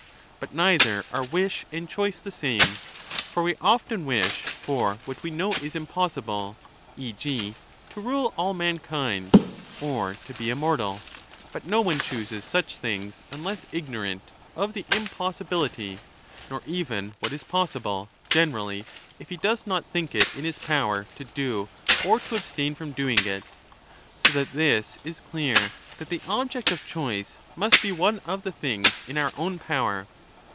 But neither are wish and choice the same ; for we often wish for what we know is impossible, e. g. to rule all mankind or to be immortal, but no one chooses such things unless ignorant of the impossibility, nor even 35 what is possible, generally, if he does not think it in his power to do or to abstain from doing it. So that this is clear, that the object of choice must be one of the things in our own power.